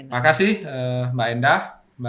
makasih mbak endah